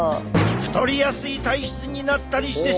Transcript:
太りやすい体質になったりしてしまう！